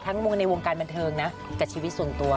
วงในวงการบันเทิงนะกับชีวิตส่วนตัว